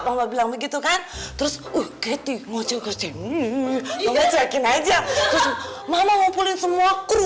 mama bilang begitu kan terus ngecek ngecek aja mama ngumpulin semua kru